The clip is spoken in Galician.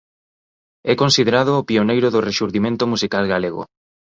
É considerado o pioneiro do rexurdimento musical galego.